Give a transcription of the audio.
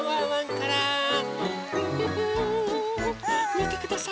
みてください